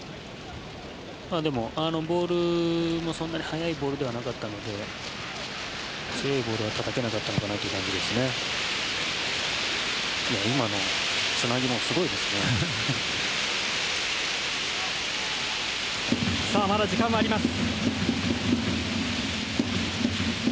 でも、ボールもそんなに速いボールではなかったので強いボールはたたけなかったのかなというまだ時間はあります。